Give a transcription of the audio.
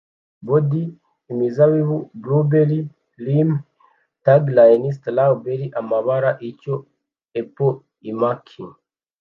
Bondi Imizabibu Blueberry Lime Tangerine Strawberry amabara icyo Apple Imac